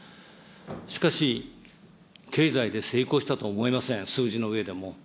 しかし、経済で成功したと思えません、数字の上でも。